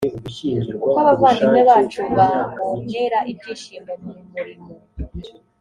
uko abavandimwe bacu babonera ibyishimo mu murimo